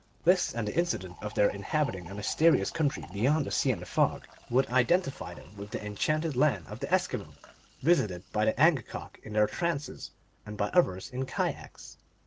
This and the incident of their in habiting a mysterious country beyond the sea and the fog would identify them with the enchanted land of the Eskimo, visited by the Angakok in their trances, and by others in kayaks.